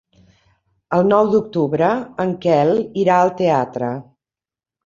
El nou d'octubre en Quel irà al teatre.